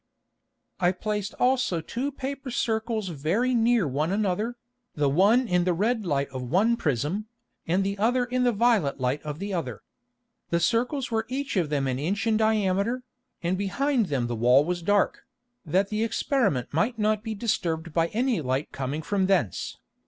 I placed also two Paper Circles very near one another, the one in the red Light of one Prism, and the other in the violet Light of the other. The Circles were each of them an Inch in diameter, and behind them the Wall was dark, that the Experiment might not be disturbed by any Light coming from thence.